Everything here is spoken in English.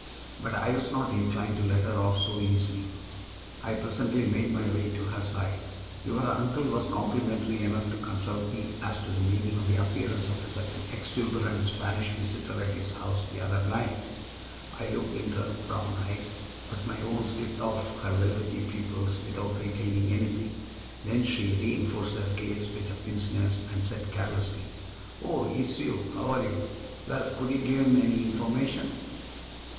But I was not inclined to let her off so easily. I presently made my way to her side. "Your uncle was complimentary enough to consult me as to the meaning of the appearance of a certain exuberant Spanish visitor at his house the other night." I looked into her brown eyes, but my own slipped off her velvety pupils without retaining anything. Then she reinforced her gaze with a pince nez, and said carelessly: "Oh, it's you? How are you? Well, could you give him any information?"